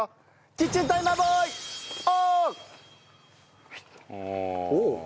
「キッチンタイマーボーイおー！」。